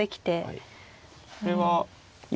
はい。